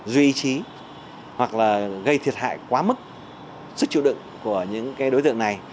duy trí hoặc là gây thiệt hại quá mức sức chịu đựng của những cái đối tượng này